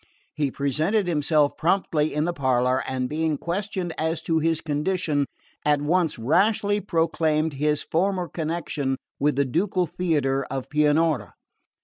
He presented himself promptly in the parlour, and being questioned as to his condition at once rashly proclaimed his former connection with the ducal theatre of Pianura.